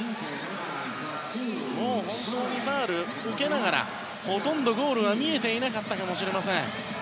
本当にファウルを受けながらほとんどゴールは見えていなかったかもしれません。